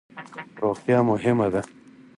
روغتیا مهمه ده